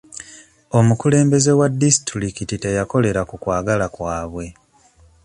Omukulembeze wa disitulikiti teyakolera ku kwagala kwabwe.